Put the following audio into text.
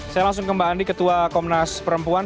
saya langsung ke mbak andi ketua komnas perempuan